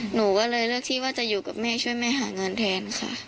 หนูก็เลยเลือกที่ว่าจะอยู่กับแม่ช่วยแม่หาเงินแทนค่ะ